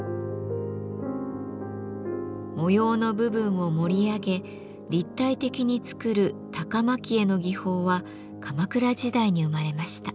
模様の部分を盛り上げ立体的に作る「高蒔絵」の技法は鎌倉時代に生まれました。